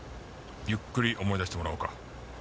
ゆっくり思い出してもらおうか。